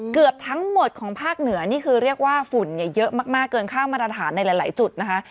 เกือบทั้งหมดของภาคเหนือนี่คือเรียกว่าฝุ่นเนี่ยเยอะมากเกินค่ามาตรฐานในหลายจุดนะคะ